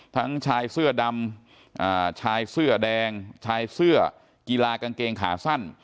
ทั้งชายเสื้อดำชายเสื้อแดงชายเสื้อกีฬากางเกงขาสั้น